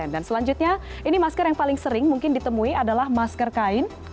dan selanjutnya ini masker yang paling sering mungkin ditemui adalah masker kain